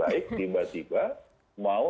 baik tiba tiba mau